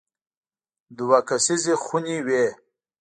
دوه کسیزې خونې وې.